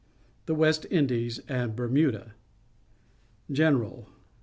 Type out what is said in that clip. THE WEST INDIES AND BERMUDA General.